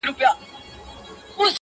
د ژوند ستا په مينه باندې ساز دی;